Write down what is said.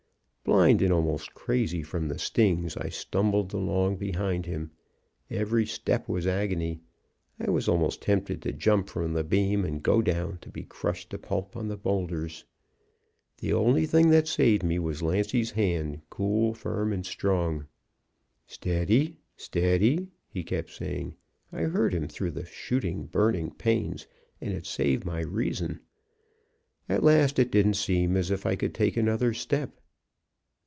"Blind and almost crazy from the stings, I stumbled along behind him. Every step was agony. I was almost tempted to jump from the beam and go down to be crushed to pulp on the boulders. The only thing that saved me was Lancy's hand, cool, firm and strong. "'Steady! Steady!' he kept saying. I heard him through the shooting, burning pains, and it saved my reason. At last it didn't seem as if I could take another step.